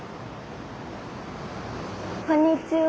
こんにちは。